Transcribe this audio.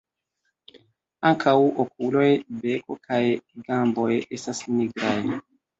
Ankaŭ okuloj, beko kaj gamboj estas nigraj.